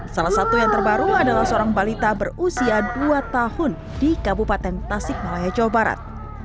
salah satu yang terbaru adalah seorang balita berusia dua tahun di kabupaten tasik malaya jawa barat